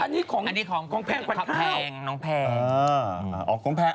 อันนี้ของขับแพงน้องแพง